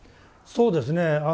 そうですね。